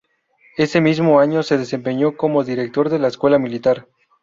Ese mismo año se desempeñó como director de la Escuela Militar.